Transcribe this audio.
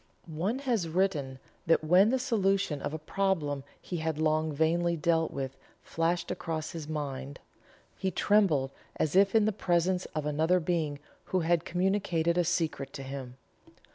One has written that when the solution of a problem he had long vainly dealt with, flashed across his mind, he trembled as if in the presence of another being who had communicated a secret to him.